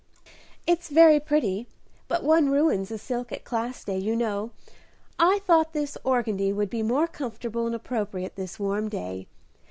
"It's very pretty, but one ruins a silk at Class Day, you know. I thought this organdie would be more comfortable and appropriate this warm day.